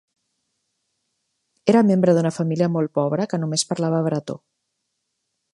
Era membre d'una família molt pobra que només parlava bretó.